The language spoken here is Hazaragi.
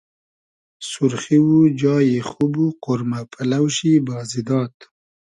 سورخی و جای خوب و قۉرمۂ پئلۆ شی بازی داد